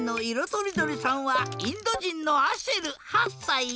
とりどりさんはインドじんのアシェル８さい。